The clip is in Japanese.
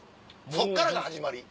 そっからが始まり？